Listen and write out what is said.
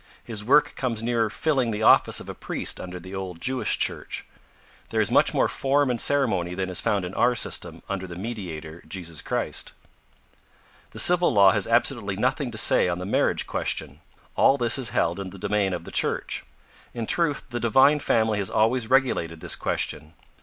His work comes nearer filling the office of a priest under the old Jewish church. There is much more form and ceremony than is found in our system under the Mediator, Jesus Christ. The civil law has absolutely nothing to say on the marriage question. All this is held in the domain of the Church. In truth, the Divine Family has always regulated this question.